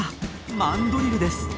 マンドリルです。